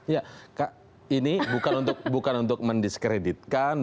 ya kak ini bukan untuk mendiskreditkan